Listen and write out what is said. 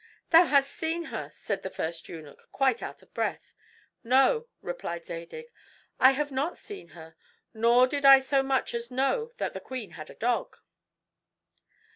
"Thou hast seen her," said the first eunuch, quite out of breath. "No," replied Zadig, "I have not seen her, nor did I so much as know that the queen had a dog."